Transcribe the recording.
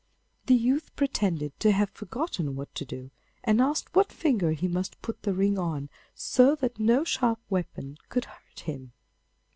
The youth pretended to have forgotten what to do, and asked what finger he must put the ring on so that no sharp weapon could hurt him?